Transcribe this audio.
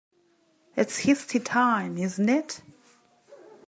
It's his tea-time, isn't it?